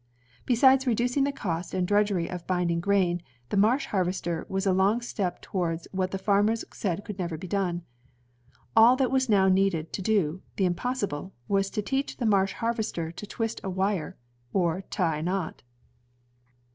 Besides reducing the cost and the drudgery of binding grain, the Marsh harvester was a long step towards what the farmers said could never be done. All that was now needed to do "the impossible" was to teach the Marsh harvester to twist a wire or to tie a knot.